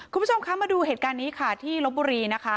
คุณผู้ชมคะมาดูเหตุการณ์นี้ค่ะที่ลบบุรีนะคะ